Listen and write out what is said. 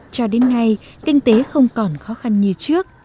cho đến nay kinh tế không còn khó khăn như trước